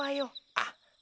あっ。